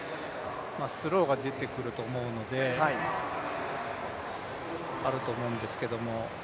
スローが出てくると思うので、あると思うんですけども。